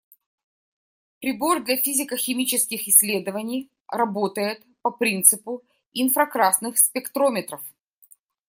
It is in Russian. Прибор для физико‑химических исследований работает по принципу инфракрасных спектрометров.